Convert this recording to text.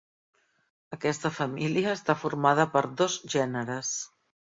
Aquesta família està formada per dos gèneres.